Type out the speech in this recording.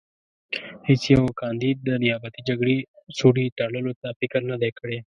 هېڅ یوه کاندید د نیابتي جګړې سوړې تړلو ته فکر نه دی کړی.